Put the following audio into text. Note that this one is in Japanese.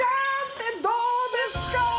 でどうですか？